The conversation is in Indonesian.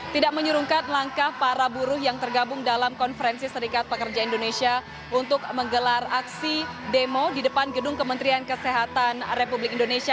tidak menyuruhkan langkah para buruh yang tergabung dalam konferensi serikat pekerja indonesia untuk menggelar aksi demo di depan gedung kementerian kesehatan republik indonesia